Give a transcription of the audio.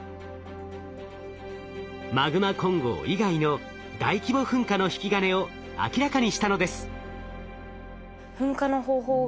マグマ混合以外の大規模噴火の引き金を明らかにしたのです。